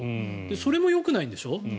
それもよくないでしょ？